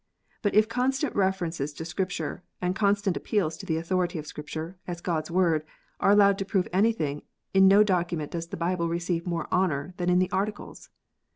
But if constant refer ences to Scripture, and constant appeals to the authority of Scripture, as God s Word, are allowed to prove anything, in no document does the Bible receive more honour than in the Articles.